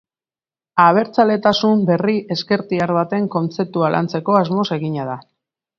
Abertzaletasun berri ezkertiar baten kontzeptua lantzeko asmoz egina da.